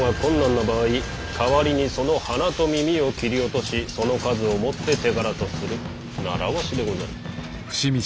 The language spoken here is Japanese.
代わりにその鼻と耳を切り落としその数をもって手柄とする習わしでござる。